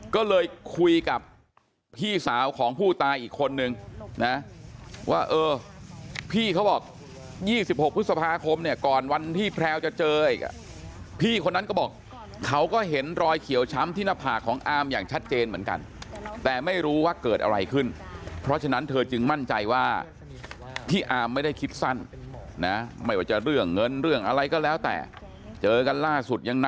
ก็เลยคุยกับพี่สาวของผู้ตายอีกคนนึงนะว่าเออพี่เขาบอก๒๖พฤษภาคมเนี่ยก่อนวันที่แพลวจะเจออีกอ่ะพี่คนนั้นก็บอกเขาก็เห็นรอยเขียวช้ำที่หน้าผากของอามอย่างชัดเจนเหมือนกันแต่ไม่รู้ว่าเกิดอะไรขึ้นเพราะฉะนั้นเธอจึงมั่นใจว่าพี่อาร์มไม่ได้คิดสั้นนะไม่ว่าจะเรื่องเงินเรื่องอะไรก็แล้วแต่เจอกันล่าสุดยังน